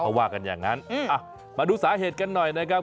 เขาว่ากันอย่างนั้นมาดูสาเหตุกันหน่อยนะครับ